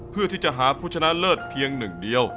เพื่อที่จะหาผู้ชนะเลิศเพียงหนึ่งเดียว